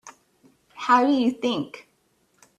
How do you think?